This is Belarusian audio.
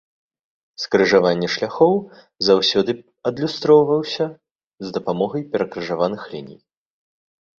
Скрыжаванне шляхоў заўсёды адлюстроўваўся з дапамогай перакрыжаваных ліній.